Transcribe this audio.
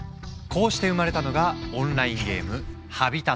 こうして生まれたのがオンラインゲーム「ＨＡＢＩＴＡＴ」。